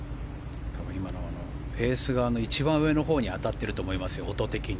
今のはフェースが一番上のほうに当たっていると思いますよ。